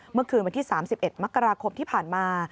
เมื่อคืนวันที่๓๑มกราคมที่ผ่านมา